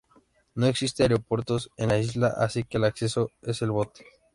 No existen aeropuertos en la isla, así que el acceso es por bote.